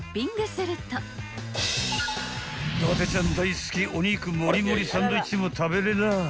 ［伊達ちゃん大好きお肉盛り盛りサンドイッチも食べれらぁ］